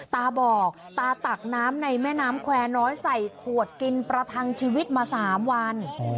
ตาบอกตาตักน้ำในแม่น้ำแควร์น้อยใส่ขวดกินประทังชีวิตมา๓วัน